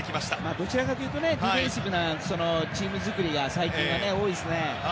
どちらかというとディフェンシブなチーム作りが最近は多いですね。